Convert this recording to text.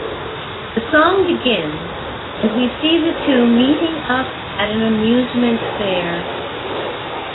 The song begins and we see the two meeting up at an amusement fair.